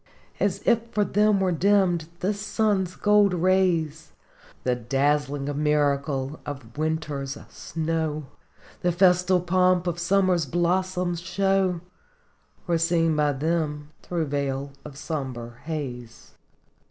As if for them were dimmed this sun's gold rays, The dazzling miracle of winter's snow, The festal pomp of summer's blossom show Were seen by them through veil of sombre haze.